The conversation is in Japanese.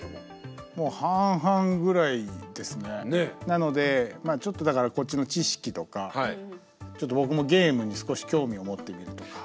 なのでちょっとだからこっちの知識とかちょっと僕もゲームに少し興味を持ってみるとか。